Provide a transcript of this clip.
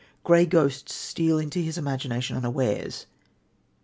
Grey ghosts steal into his imagination unawares.